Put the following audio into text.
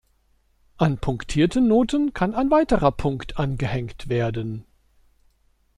An punktierte Noten kann ein weiterer Punkt angehängt werden.